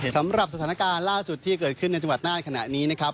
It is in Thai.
สำหรับสถานการณ์ล่าสุดที่เกิดขึ้นในจังหวัดน่านขณะนี้นะครับ